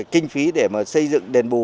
kinh phí để xây dựng đền bù